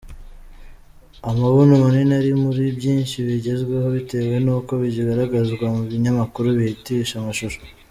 Amabuno manini ari muri byinshi bigezweho bitewe n’uko bigaragazwa mu binyamakuru bihitisha amashusho.